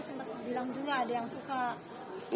sempat bilang juga ada yang suka